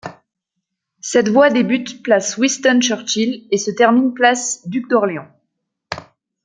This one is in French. Cette voie débute place Winston-Churchill et se termine place du Duc-d'Orléans.